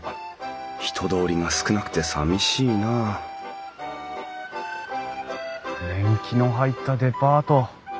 人通りが少なくてさみしいなあ年季の入ったデパート。